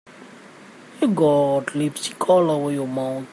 You've got lipstick all over your mouth.